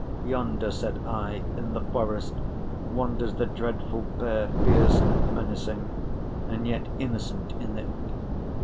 Yonder," said I, "in the forest wanders the dreadful bear, fierce and menacing, and yet innocent in it."